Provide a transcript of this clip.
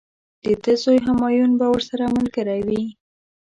د ده زوی همایون به ورسره ملګری وي.